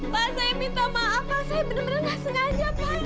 pak saya minta maaf pak saya benar benar gak sengaja pak